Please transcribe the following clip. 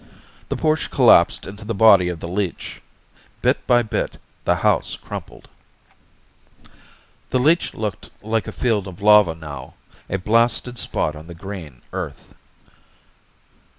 The porch collapsed into the body of the leech. Bit by bit, the house crumpled. The leech looked like a field of lava now, a blasted spot on the green Earth.